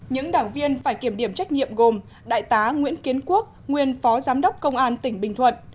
những đảng viên phải kiểm điểm trách nhiệm gồm đại tá nguyễn kiến quốc nguyên phó giám đốc công an tỉnh bình thuận